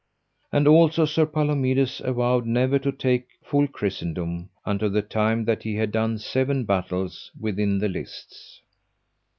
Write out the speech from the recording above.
And also Sir Palomides avowed never to take full christendom unto the time that he had done seven battles within the lists.